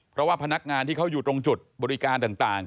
เพราะว่าพนักงานที่เขาอยู่ตรงจุดบริการต่าง